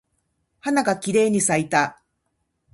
花がきれいに咲いた。